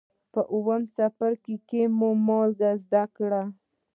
په اووم څپرکي کې مو مالګې زده کړې.